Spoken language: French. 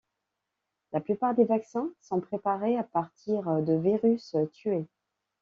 La plupart des vaccins sont préparés à partir de virus tué.